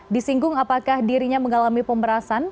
disinggung apakah dirinya mengalami pemberasan